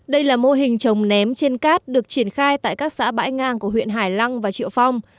đây là mô hình trồng ném trên cát được triển khai tại các xã bãi ngang của huyện hải lăng và triệu phong